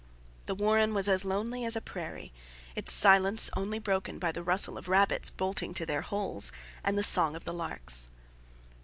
The warren was as lonely as a prairie, its silence only broken by the rustle of rabbits bolting to their holes, and the song of the larks.